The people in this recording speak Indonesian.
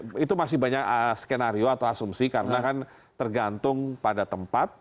nah itu masih banyak skenario atau asumsi karena kan tergantung pada tempat